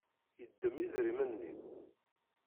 Yeddem idrimen-nni.